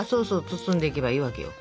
包んでいけばいいわけよ。